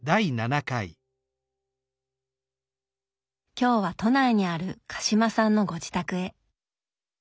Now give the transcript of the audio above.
今日は都内にある鹿島さんのご自宅へ。